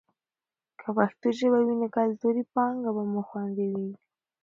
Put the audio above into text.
که پښتو ژبه وي نو کلتوري پانګه مو خوندي وي.